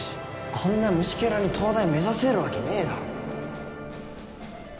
こんな虫けらに東大目指せるわけねえだろ